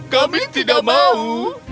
kami tidak mau